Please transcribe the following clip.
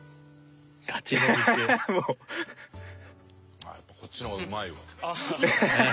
ああやっぱこっちの方がうまいわ。